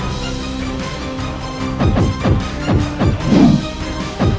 ayamu seorang pembunuh